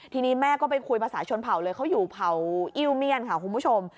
ทีนี้แม่ก็ไปคุยภาษาชนเผ่าเลยเขาอยู่เผ่าอิ้วเมียนค่ะคุณผู้ชม